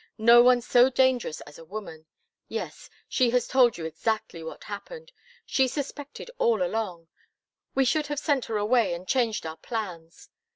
No one so dangerous as a woman. Yes; she has told you exactly what happened. She suspected all along. We should have sent her away and changed our plans.